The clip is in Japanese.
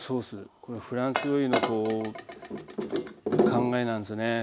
これフランス料理のこう考えなんですよね。